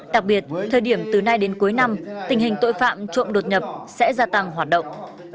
đặc biệt thời điểm từ nay đến cuối năm tình hình tội phạm trộm đột nhập sẽ gia tăng hoạt động